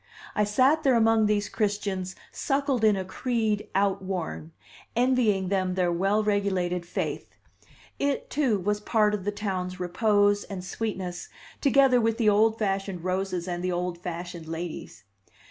I sat there among these Christians suckled in a creed outworn, envying them their well regulated faith; it, too, was part of the town's repose and sweetness, together with the old fashioned roses and the old fashioned ladies.